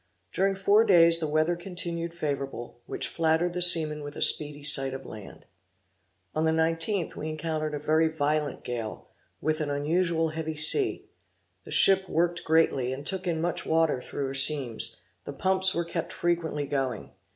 During four days the weather continued favorable, which flattered the seamen with a speedy sight of land. On the 19th we encountered a very violent gale, with an unusual heavy sea: The ship worked greatly, and took in much water through her seams: the pumps were kept frequently going.